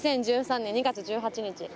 ２０１３年２月１８日。